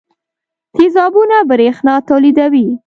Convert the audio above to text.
تیزابونه برېښنا تولیدوي.